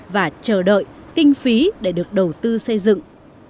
và chờ đợi kinh phí để được đầu tư xây dựng